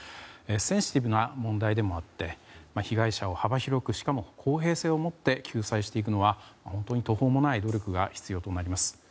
センシティブな問題でもあって被害者を幅広くしかも公平性をもって救済していくのは本当に途方もない努力が必要となります。